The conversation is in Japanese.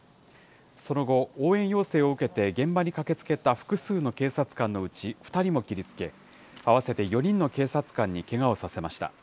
その後、応援要請を受けて現場に駆けつけた複数の警察官のうち２人も切りつけ、合わせて４人の警察官にけがをさせました。